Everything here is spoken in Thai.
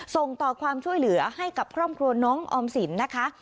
ส่งต่อความช่วยเหลือให้กับครอบครัวน้องออมสินนะคะ